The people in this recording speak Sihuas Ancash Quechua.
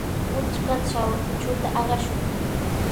Mutrkatraw uchuta aqashun.